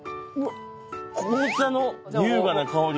紅茶の優雅な香り！